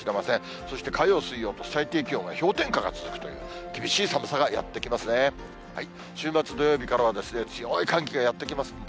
そして火曜、水曜と最低気温が氷点下が続くという、厳しい寒さがやって来ますね。